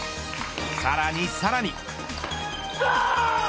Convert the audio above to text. さらにさらに。